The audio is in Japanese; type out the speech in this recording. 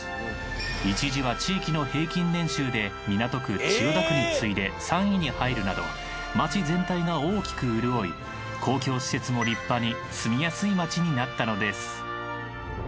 一時は地域の平均年収で港区千代田区に次いで３位に入るなど街全体が大きく潤い公共施設も立派に住みやすい街になったのです。